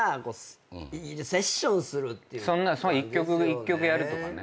１曲やるとかね。